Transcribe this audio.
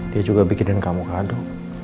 dia juga bikinin kamu kado